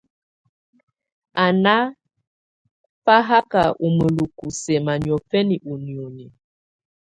Á ná fáhaká ú mǝ́luku sɛ́ma niɔ̀fɛna ú nìóni.